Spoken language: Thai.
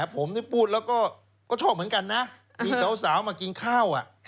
ผมนี่พูดแล้วก็ชอบเหมือนกันนะมีสาวมากินข้าว